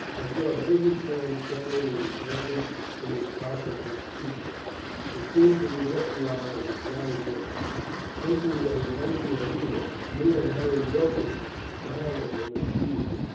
I saw a biggish man standing with his hands in the pockets of his pea jacket. He seemed to be looking on, and was not at work; but, thinking that he might be a leader, me and Harry Wilkens ran at him and seized him.